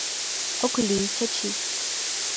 — Ок лий, Чачи!..